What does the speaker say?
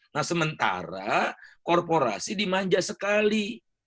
nah sementara korporasi dimanja sekali